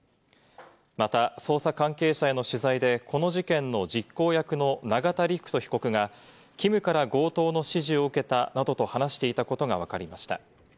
また、捜査関係者への取材で、この事件の実行役の永田陸人被告がキムから強盗の指示を受けたなどと話していたことがわかりました。